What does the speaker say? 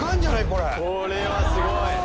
これはすごい。